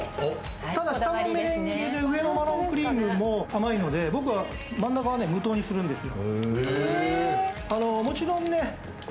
下がマレンゲで、上のマロンクリームも甘いので僕は真ん中は無糖にするんですよ。